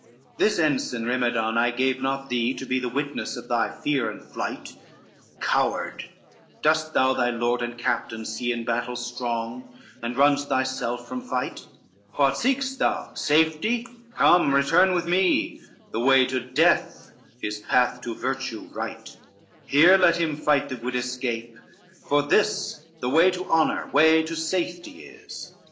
CX "This ensign, Rimedon, I gave not thee To be the witness of thy fear and flight, Coward, dost thou thy lord and captain see In battle strong, and runn'st thyself from fight? What seek'st thou? safety? come, return with me, The way to death is path to virtue right, Here let him fight that would escape; for this The way to honor, way to safety is."